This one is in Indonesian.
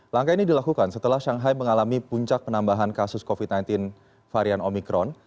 langkah ini dilakukan setelah shanghai mengalami puncak penambahan kasus covid sembilan belas varian omikron